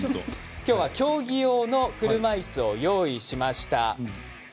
きょうは、競技用の車いすを用意しました。